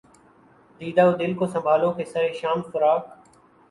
دیدہ و دل کو سنبھالو کہ سر شام فراق